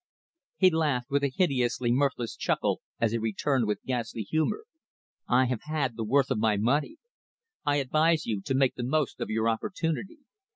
He laughed with a hideously mirthless chuckle as he returned with ghastly humor, "I have had the worth of my money. I advise you to make the most of your opportunity.